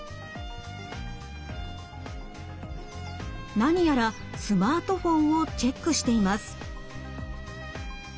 何やらスマートフォンをチェックしています。